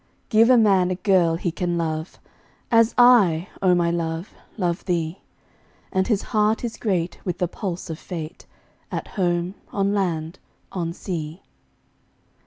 Give a man a girl he can love, As I, O my love, love thee; 10 And his heart is great with the pulse of Fate, At home, on land, on sea.